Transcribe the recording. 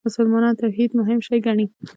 مسلمانان توحید مهم شی ګڼي.